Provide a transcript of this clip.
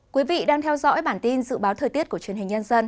quý vị đang theo dõi bản tin dự báo thời tiết của truyền hình nhân dân